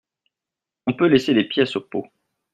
On peut laisser des pièces au pot.